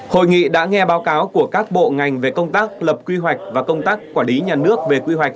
hội nghị đã nghe báo cáo của các bộ ngành về công tác lập quy hoạch và công tác quản lý nhà nước về quy hoạch